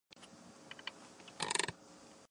布尔斯弗朗勒沙皮人口变化图示